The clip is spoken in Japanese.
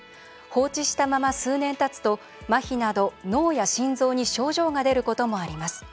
放置したまま数年たつとまひなど、脳や心臓に症状が出ることもあります。